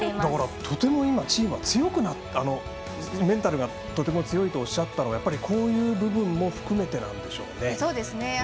だから、とてもチームは今強くメンタルが強いとおっしゃったのはやっぱり、こういう部分も含めてなんでしょうね。